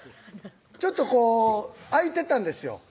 ちょっとこう空いてたんですよ